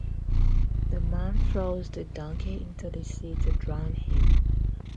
The man throws the donkey into the sea to drown him.